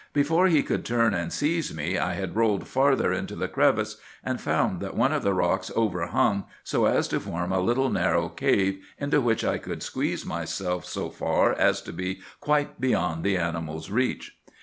Before he could turn and seize me I had rolled farther into the crevice, and found that one of the rocks overhung so as to form a little narrow cave into which I could squeeze myself so far as to be quite beyond the animal's reach.